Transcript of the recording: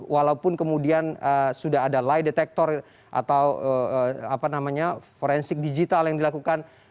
walaupun kemudian sudah ada lie detector atau forensik digital yang dilakukan